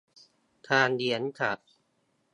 การเลี้ยงสัตว์